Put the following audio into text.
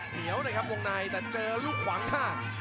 เหนียวเลยครับวงในแต่เจอลูกขวางค่ะ